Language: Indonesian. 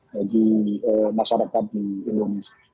bagi masyarakat di indonesia